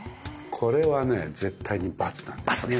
これはね絶対にバツなんですね。